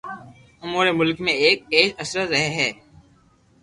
اسان جي ملڪ ۾ هڪ عيش عشرت رهي ٿي